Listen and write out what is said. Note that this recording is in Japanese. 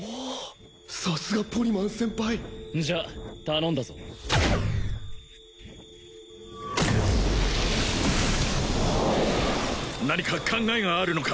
さすがポリマン先輩じゃ頼んだぞ何か考えがあるのか？